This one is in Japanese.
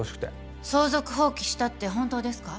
相続放棄したって本当ですか？